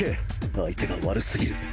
相手が悪すぎる。